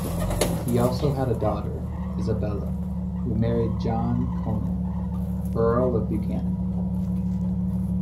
He also had a daughter, Isabella, who married John Comyn, Earl of Buchan.